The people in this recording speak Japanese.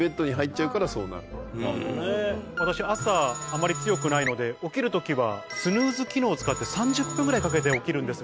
私朝あまり強くないので起きる時はスヌーズ機能を使って３０分ぐらいかけて起きるんですが。